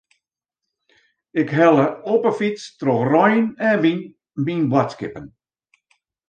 Ik helle op 'e fyts troch rein en wyn myn boadskippen.